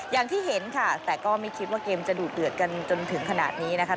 อย่างที่เห็นค่ะแต่ก็ไม่คิดว่าเกมจะดูดเดือดกันจนถึงขนาดนี้นะคะ